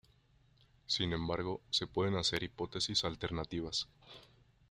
Sin embargo, se pueden hacer hipótesis alternativas.